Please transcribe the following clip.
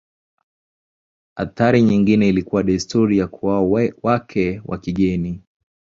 Athari nyingine ilikuwa desturi ya kuoa wake wa kigeni.